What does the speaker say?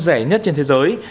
rẻ nhất trên thế giới